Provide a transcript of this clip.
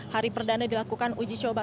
hari perdana dilakukan uji coba